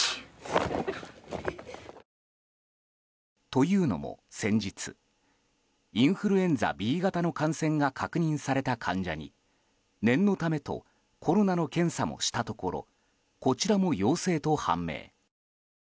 というのも先日インフルエンザＢ型の感染が確認された患者に念のためとコロナの検査もしたところこちらも陽性と判明。